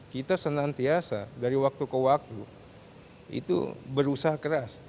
kita senantiasa dari waktu ke waktu itu berusaha keras